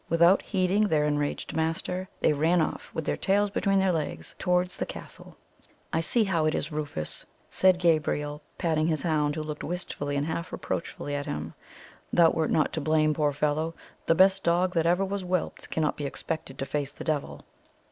Without heeding their enraged master, they ran off, with their tails between their legs, towards the castle. "I see how it is, Rufus," said Gabriel, patting his hound, who looked wistfully and half reproachfully at him. "Thou wert not to blame, poor fellow! The best dog that ever was whelped cannot be expected to face the devil."